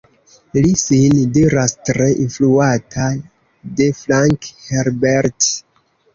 Li sin diras tre influata de Frank Herbert.